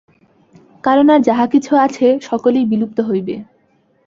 কারণ আর যাহা কিছু আছে, সকলই বিলুপ্ত হইবে।